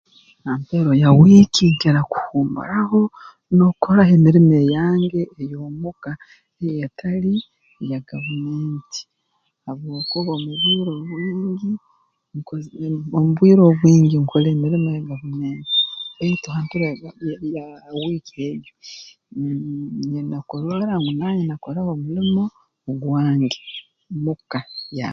Ha mpero ya wiiki nkira kuhuumuraho n'okukoraho emirimo eyange ey'omuka ei etali eya gavumenti habwokuba omu bwire obwingi nkoze omu bwire obwingi nkora emirimo ya gavumenti baitu ha mpero ya ya wiiki egi mmh mmh nyine kurora ngu naanye nakora omulimo ogwange muka ya